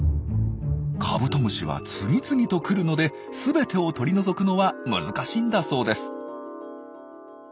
カブトムシは次々と来るので全てを取り除くのは難しいんだそうです。